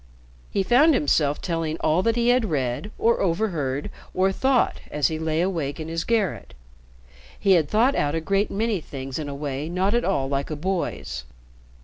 He found himself telling all that he had read, or overheard, or thought as he lay awake in his garret. He had thought out a great many things in a way not at all like a boy's.